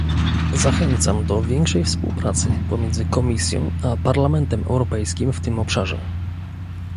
Zachęcam do większej współpracy pomiędzy Komisją a Parlamentem Europejskim w tym obszarze